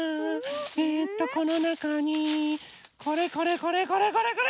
えとこのなかにこれこれこれこれこれこれ！